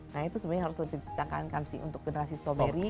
nah itu sebenarnya harus lebih ditangankan sih untuk generasi stroberi